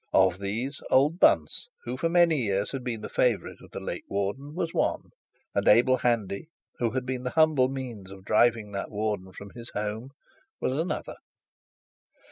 Of these old Bunce, who for many years, had been the favourite of the late warden, was one; and Abel Handy, who had been the humble means from driving that warden from his home, was another.